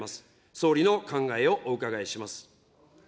総理の考えをお伺いします。